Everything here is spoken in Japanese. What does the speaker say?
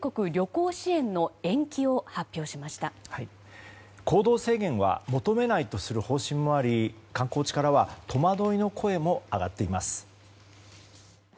行動制限は求めないとする方針もあり観光地からは戸惑いの声も上がっています。